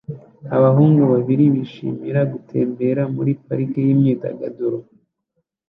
Abahungu babiri bishimira gutembera muri parike yimyidagaduro